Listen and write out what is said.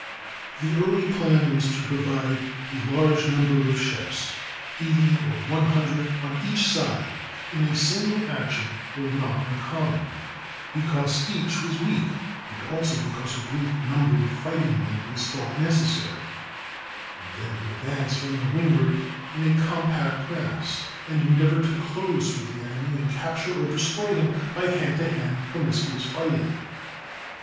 The early plan was to provide a large number of ships,—eighty or one hundred on each side in a single action were not uncommon,—because each was weak, and also because a great number of fighting men was thought necessary, and then to advance from the windward in a compact mass, and endeavor to close with the enemy and capture or destroy him by hand to hand promiscuous fighting.